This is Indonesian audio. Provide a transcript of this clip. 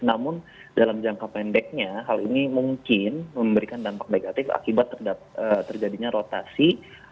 namun dalam jangka pendeknya hal ini mungkin memberikan dampak negatif akibat terjadinya rotasi